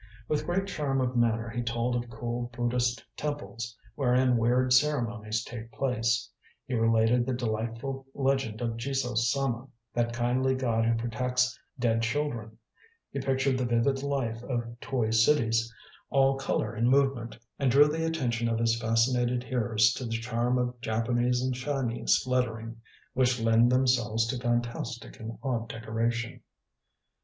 With great charm of manner, he told of cool Buddhist temples, wherein weird ceremonies take place; he related the delightful legend of Jizo Sama, that kindly god who protects dead children; he pictured the vivid life of toy cities, all colour and movement, and drew the attention of his fascinated hearers to the charm of Japanese and Chinese lettering, which lend themselves to fantastic and odd decoration.